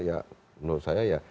ya menurut saya ya